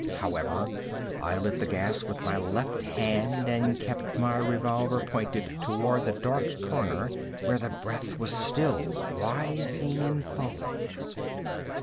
However, I lit the gas with my left hand and kept my revolver pointed toward the dark corner where the breath was still rising and falling.